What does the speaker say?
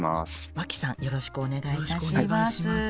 脇さんよろしくお願いいたします。